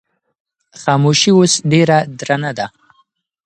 خاموشي اوس ډېره درنه ده.